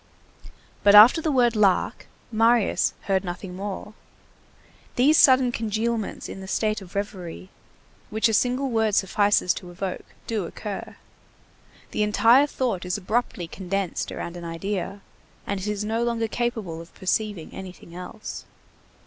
But after the word "Lark" Marius heard nothing more. These sudden congealments in the state of reverie, which a single word suffices to evoke, do occur. The entire thought is abruptly condensed around an idea, and it is no longer capable of perceiving anything else.